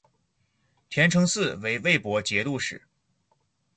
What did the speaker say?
田承嗣为魏博节度使。